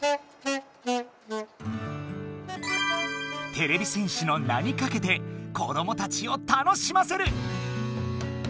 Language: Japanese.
てれび戦士の名にかけて子どもたちを楽しませる！